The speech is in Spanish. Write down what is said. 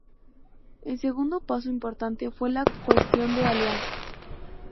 El segundo paso importante fue la cuestión de alianzas.